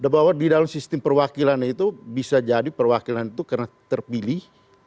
bahwa di dalam sistem perwakilan itu bisa jadi perwakilan itu karena terpilih